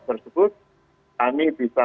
tersebut kami bisa